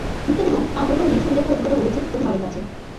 মুক্তা বেগম তাঁর পরিবার নিয়ে ছবি দেখার অভিজ্ঞতা বলেছেন প্রথম আলোর কাছে।